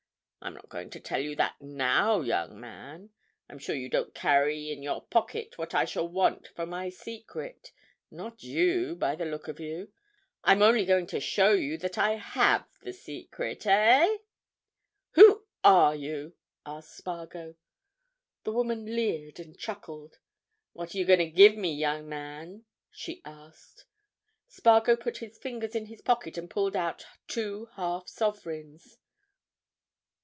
I'm not going to tell you that now, young man—I'm sure you don't carry in your pocket what I shall want for my secret, not you, by the look of you! I'm only going to show you that I have the secret. Eh?" "Who are you?" asked Spargo. The woman leered and chuckled. "What are you going to give me, young man?" she asked. Spargo put his fingers in his pocket and pulled out two half sovereigns.